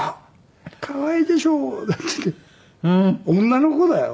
女の子だよ。